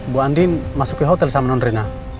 bu andin masuk ke hotel sama nonrena